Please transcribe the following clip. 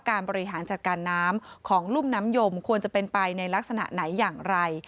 บริหารจัดการน้ำของรุ่มน้ำยมควรจะเป็นไปในลักษณะไหนอย่างไร